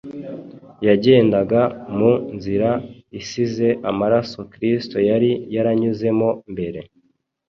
Yagendaga mu nzira isize amaraso Kristo yari yaranyuzemo mbere.